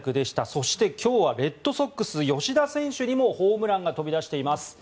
そして今日はレッドソックス、吉田選手にもホームランが飛び出しています。